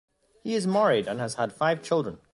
He is married and has had five children.